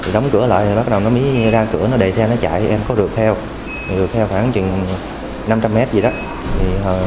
đóng cửa lại bắt đầu nó mới ra cửa đẩy xe nó chạy em có rượt theo rượt theo khoảng năm trăm linh m gì đó